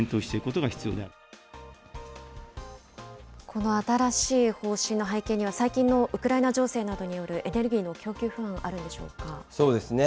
この新しい方針の背景には、最近のウクライナ情勢などによるエネルギーの供給不安、あるんでそうですね。